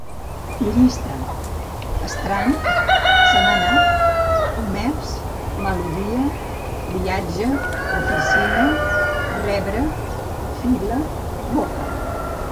Llista: estrany, se n'ha anat, comerç, melodia, viatge, oficina, rebre, fila, boca